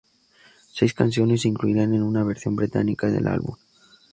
Seis canciones se incluirán en la versión británica del álbum.